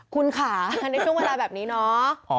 คุณค่ะในช่วงเวลาแบบนี้เนาะ